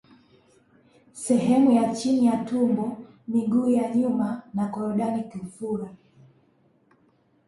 Sehemu ya chini ya tumbo miguu ya nyuma na korodani kufura